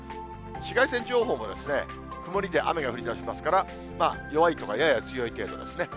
紫外線情報も曇りで雨が降りだしますから、弱いとかやや強い程度ですね。